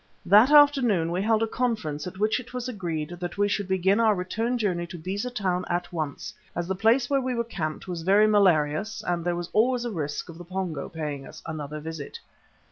That afternoon we held a conference at which it was agreed that we should begin our return journey to Beza Town at once, as the place where we were camped was very malarious and there was always a risk of the Pongo paying us another visit.